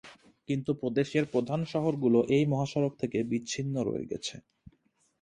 কিন্তু প্রদেশের প্রধান শহরগুলো এই মহাসড়ক থেকে বিচ্ছিন্ন রয়ে গেছে।